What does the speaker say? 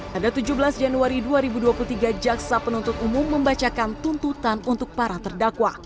pada tujuh belas januari dua ribu dua puluh tiga jaksa penuntut umum membacakan tuntutan untuk para terdakwa